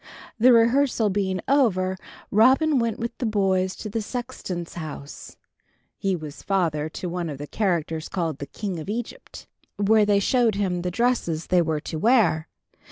The rehearsal being over, Robin went with the boys to the sexton's house (he was father to one of the characters called the "King of Egypt") where they showed him the dresses they were to wear.